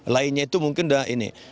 lainnya itu mungkin ini